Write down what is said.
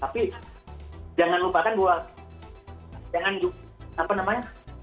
tapi jangan lupakan bahwa jangan apa namanya